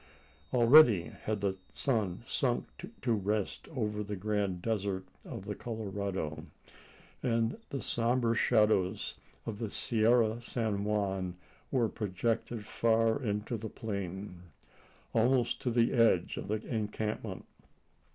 Already had the sun sunk to rest over the grand desert of the Colorado; and the sombre shadows of the Sierra San Juan were projected far into the plain almost to the edge of the encampment.